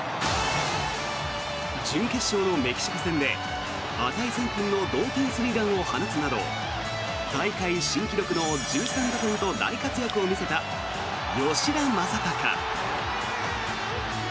準決勝のメキシコ戦で値千金の同点スリーランを放つなど大会新記録の１３打点と大活躍を見せた吉田正尚。